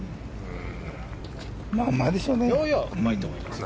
まあまあでしょうね。